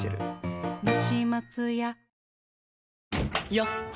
よっ！